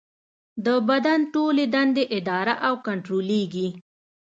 د بدن ټولې دندې اداره او کنټرولېږي.